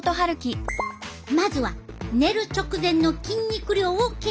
まずは寝る直前の筋肉量を計測。